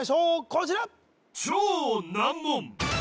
こちら